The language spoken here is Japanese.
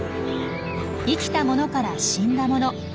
生きたものから死んだもの